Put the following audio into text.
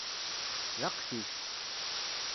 D aqcic.